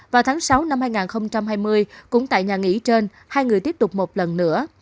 vào tháng sáu năm hai nghìn hai mươi cũng tại nhà nghỉ trên hai người tiếp tục một lần nữa